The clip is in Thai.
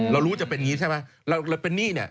รู้จะเป็นอย่างนี้ใช่ไหมเราเป็นหนี้เนี่ย